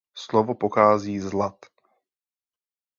Slovo pochází z lat.